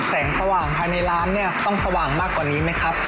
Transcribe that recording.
แสงสว่างภายในร้านเนี่ยต้องสว่างมากกว่านี้ไหมครับ